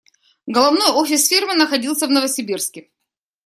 Головной офис фирмы находился в Новосибирске.